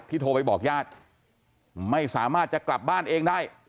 โทรไปบอกญาติไม่สามารถจะกลับบ้านเองได้